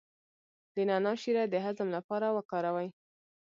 د نعناع شیره د هضم لپاره وکاروئ